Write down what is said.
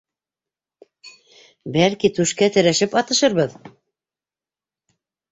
Бәлки, түшкә терәшеп атышырбыҙ?